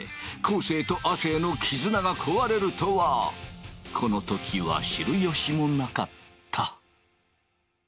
生と亜生の絆が壊れるとはこの時は知る由もなかった。